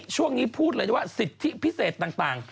ช่วงนี้พูดเลยว่าสิทธิพิเศษต่าง